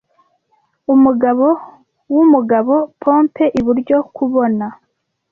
Umugabo wumugabo, pompe iburyo kubona?